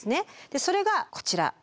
それがこちら。